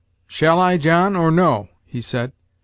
"Shall I, John or no?" he said.